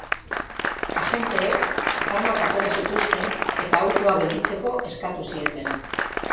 Agenteek armak atera zituzten eta autoa gelditzeko eskatu zieten.